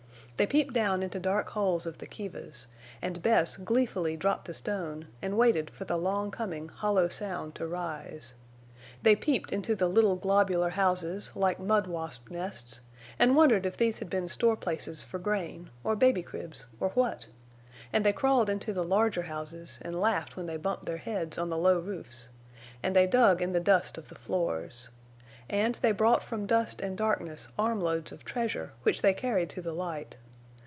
They peeped down into the dark holes of the kivas, and Bess gleefully dropped a stone and waited for the long coming hollow sound to rise. They peeped into the little globular houses, like mud wasp nests, and wondered if these had been store places for grain, or baby cribs, or what; and they crawled into the larger houses and laughed when they bumped their heads on the low roofs, and they dug in the dust of the floors. And they brought from dust and darkness armloads of treasure which they carried to the light.